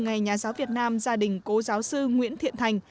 ngày nhà giáo việt nam gia đình cố giáo sư nguyễn thiện thành